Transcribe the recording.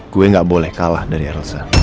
gue gak boleh kalah dari elsa